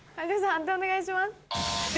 判定お願いします。